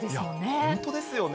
本当ですよね。